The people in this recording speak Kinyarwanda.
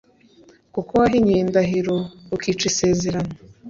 kuko wahinyuye indahiro ukica isezerano